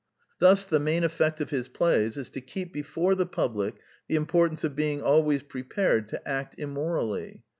Thus the main effect of his plays is to keep before the public the importance of being always prepared to act immorally.